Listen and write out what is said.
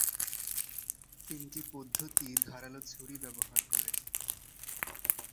তিনটি পদ্ধতিই ধারালো ছুরি ব্যবহার করে।